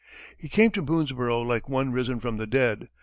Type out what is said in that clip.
He came to Boonesborough like one risen from the dead.